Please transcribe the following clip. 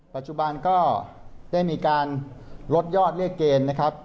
ปัจจุบันก็ได้มีการลดยอดเรียกเกณฑ์นะครับ